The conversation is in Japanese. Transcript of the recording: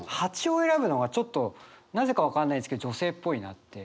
蜂を選ぶのがちょっとなぜか分かんないですけど女性っぽいなって。